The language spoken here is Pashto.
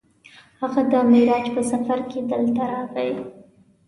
هغه د معراج په سفر کې دلته راغی.